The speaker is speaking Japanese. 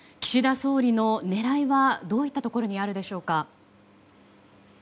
岸田総理の狙いは、どういったところにあるでしょうか。